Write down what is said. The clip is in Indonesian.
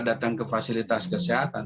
datang ke fasilitas kesehatan